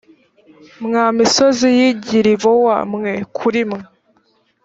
mwa misozi y i gilibowa mwe kuri mwe